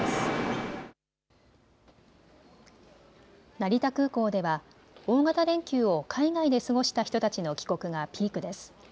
成田空港では大型連休を海外で過ごした人たちの帰国がピークです。